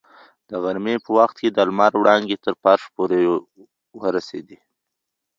د غرمې په وخت کې د لمر وړانګې تر فرش پورې ورسېدې.